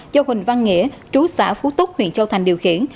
do huỳnh văn nghĩa chú xã phú túc huyện châu thành điều khiển